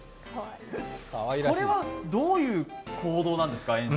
これはどういう行動なんですか？